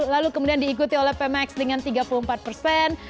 lalu kemudian diikuti oleh pmx dengan tiga puluh empat persen